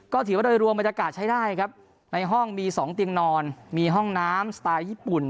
ก็ถือว่าโดยรวมบรรยากาศใช้ได้ครับในห้องมี๒เตียงนอนมีห้องน้ำสไตล์ญี่ปุ่น